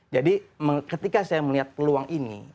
jadi ketika saya melihat peluang ini